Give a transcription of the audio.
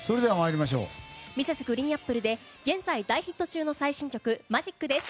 Ｍｒｓ．ＧＲＥＥＮＡＰＰＬＥで現在大ヒット中の最新曲「Ｍａｇｉｃ」です。